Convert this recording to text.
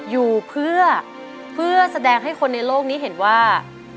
อยู่เพื่อแสดงให้คนในโลกนี้เห็นว่า